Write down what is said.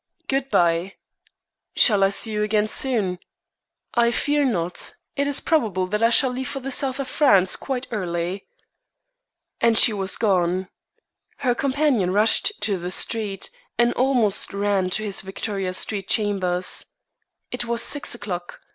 "Good bye!" "Shall I see you again soon?" "I fear not. It is probable that I shall leave for the South of France quite early." And she was gone. Her companion rushed to the street, and almost ran to his Victoria Street chambers. It was six o'clock.